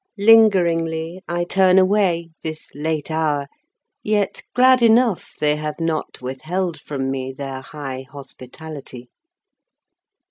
Lingeringly I turn away, This late hour, yet glad enoughThey have not withheld from meTheir high hospitality.